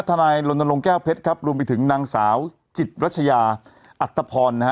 นายลนลงแก้วเพชรครับรวมไปถึงนางสาวจิตรัชยาอัตภพรนะฮะ